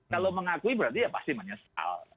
kalau mengakui berarti ya pasti menyesal